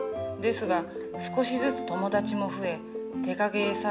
ですが少しずつ友達も増え手影絵